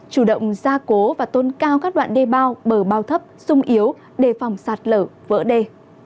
chủ động gia cố và tôn cao các đoạn đê bao bờ bao thấp sung yếu đề phòng sạt lở vỡ đê